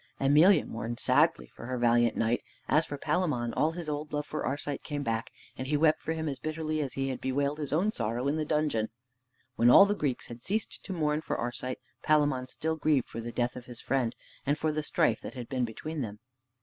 Emelia mourned sadly for her valiant knight. As for Palamon, all his old love for Arcite came back, and he wept for him as bitterly as he had bewailed his own sorrow in the dungeon. When all the Greeks had ceased to mourn for Arcite, Palamon still grieved for the death of his friend, and for the strife that had been between them.